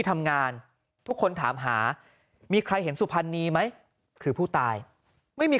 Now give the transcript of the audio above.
ทำงานทุกคนถามหามีใครเห็นสุพรรณีไหมคือผู้ตายไม่มี